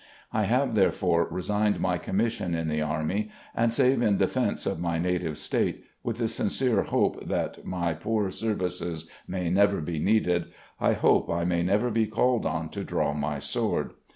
I have therefore resigned my commission in the Army, and save in de fense of my native State, with the sincere hope that my poor services may never be needed, I hope I may never be called on to draw my sword.